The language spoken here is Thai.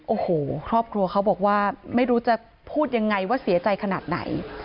โอ้โหครอบครัวเขาบอกว่าไม่รู้จะพูดยังไงว่าเสียใจขนาดไหน